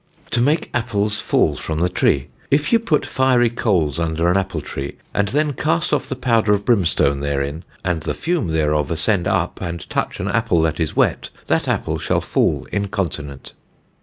TO MAKE APPLES FALL FROM THE TREE. If ye put fiery coles under an Apple tree, and then cast off the powder of Brimstone therein, and the fume thereof ascend up, and touch an Apple that is wet, that Apple shall fall incontinant.